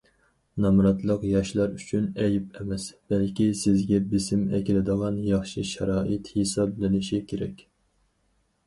نامراتلىق ياشلار ئۈچۈن ئەيىب ئەمەس، بەلكى سىزگە بېسىم ئەكېلىدىغان ياخشى شارائىت ھېسابلىنىشى كېرەك.